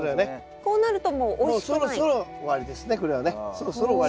こうなるともうおいしくない。